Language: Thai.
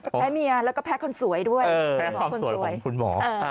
แพ้เมียแล้วก็แพ้คนสวยด้วยแพ้หมอคนสวยคุณหมอ